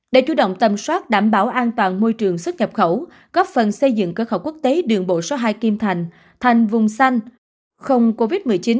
để chủ động tầm soát đảm bảo an toàn môi trường xuất nhập khẩu góp phần xây dựng cơ khẩu quốc tế đường bộ số hai kim thành thành vùng xanh không covid một mươi chín